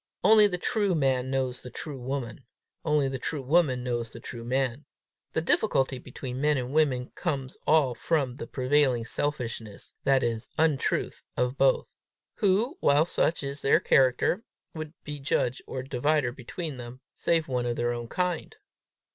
Only the true man knows the true woman; only the true woman knows the true man: the difficulty between men and women comes all from the prevailing selfishness, that is, untruth, of both. Who, while such is their character, would be judge or divider between them, save one of their own kind?